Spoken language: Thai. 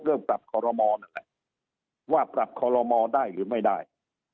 เริ่มปรับขอรมอว่าปรับขอรมอได้หรือไม่ได้